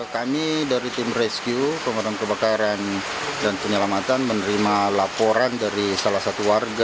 kami dari tim rescue pemadam kebakaran dan penyelamatan menerima laporan dari salah satu warga